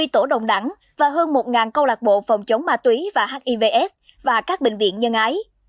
hai mươi tổ đồng đẳng và hơn một câu lạc bộ phòng chống ma túy và hivs và các bệnh viện nhân ái